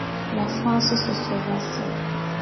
La France se sauva seule.